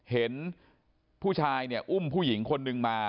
เห็นผู้ชายเนี่ยอุ้มผู้หญิงคนนึงมา